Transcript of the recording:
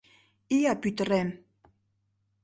— Ия пӱтырем!